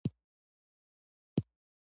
ایا زه باید ګولۍ وکاروم؟